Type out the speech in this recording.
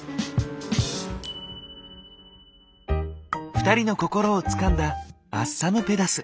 ２人の心をつかんだアッサムペダス。